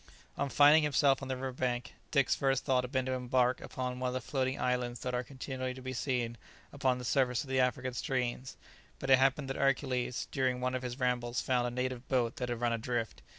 On finding himself on the river bank, Dick's first thought had been to embark upon one of the floating islands that are continually to be seen upon the surface of the African streams, but it happened that Hercules during one of his rambles found a native boat that had run adrift.